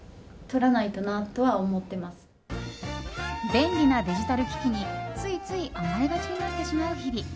便利なデジタル機器についつい甘えがちになってしまう日々。